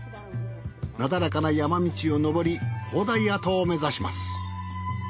なだらかな山道を登り砲台跡を目指します。